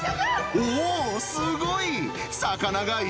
おー、すごい。